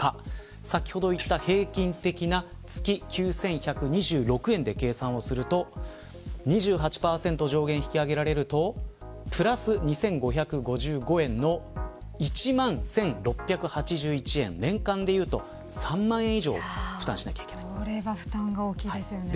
先ほど言った平均的な月９１２６円で計算をすると２８％上限引き上げられるとプラス２５５５円の１万１６８１円年間でいうと３万円以上それは負担が大きいですよね。